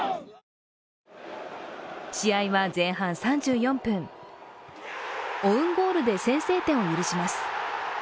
試合は前半３４分、オウンゴールで先制点を許します。